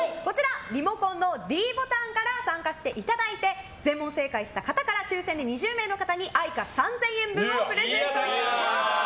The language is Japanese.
リモコンのｄボタンから参加していただいて全問正解した方から抽選で２０名の方にＡｉｃａ３０００円分をプレゼントいたします。